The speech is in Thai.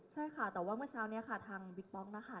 ใช่ค่ะแต่ว่าเมื่อเช้านี้ค่ะทางบิ๊กป๊อกนะคะ